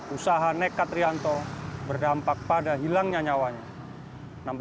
usaha nekat rianto berdampak pada hilangnya nyawanya